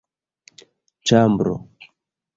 ĉambro